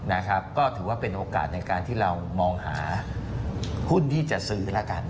นะครับก็ถือว่าเป็นโอกาสในการที่เรามองหาหุ้นที่จะซื้อแล้วกัน